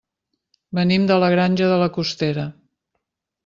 Venim de la Granja de la Costera.